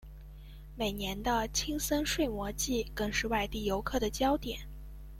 每年的青森睡魔祭更是外地游客的焦点。